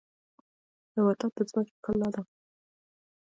نباتات د ځمکې ښکلا ده